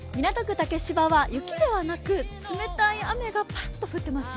竹芝は、雪ではなく冷たい雨が降ってますね。